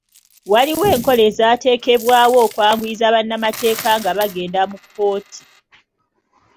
Waliwo enkola ezaatekebwawo okwanguyiza bannamateeka nga bagenda mu kkooti.